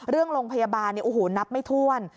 เรื่องโรงพยาบาลเนี่ยโอ้โหนับไม่ถ้วน